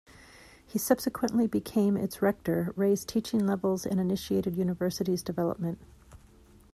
He subsequently became its rector, raised teaching levels and initiated university's development.